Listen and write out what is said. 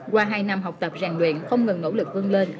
qua hai năm học tập rèn luyện không ngừng nỗ lực vươn lên